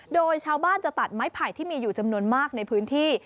โดยชาวบ้านจะตัดไม้ไผ่ที่มีอยู่จำนวนมากในพื้นที่